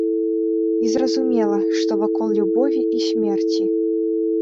І зразумела, што вакол любові і смерці.